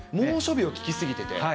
猛暑日を聞き過ぎてて。